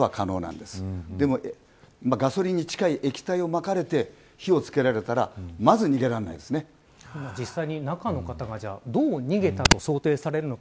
でもガソリンに近い液体をまかれて、火をつけられたら実際に中の方がどう逃げたと想定されるのか。